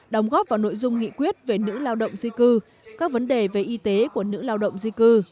đồng góp vào nội dung nghị quyết về nữ lao động di cư các vấn đề về y tế của nữ lao động di cư